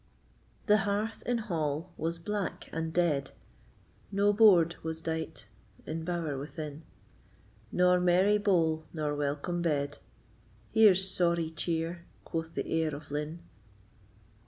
The hearth in hall was black and dead, No board was dight in bower within, Nor merry bowl nor welcome bed; "Here's sorry cheer," quoth the Heir of Linne.